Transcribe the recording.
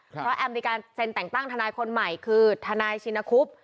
เพราะแอมมีการเซ็นแต่งตั้งทนายคนใหม่คือทนายชินคุบ